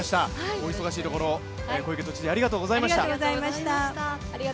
お忙しいところ、小池都知事ありがとうございました。